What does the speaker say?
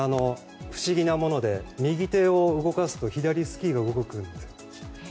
不思議なもので右手を動かすと左スキーが動く。